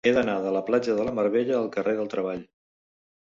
He d'anar de la platja de la Mar Bella al carrer del Treball.